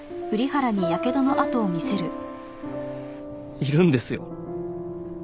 いるんですよ。